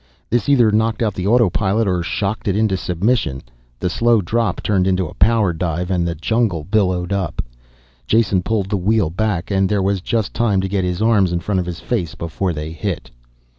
This either knocked out the autopilot or shocked it into submission. The slow drop turned into a power dive and the jungle billowed up. Jason pulled the wheel back and there was just time to get his arms in front of his face before they hit.